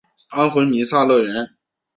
安魂弥撒乐团。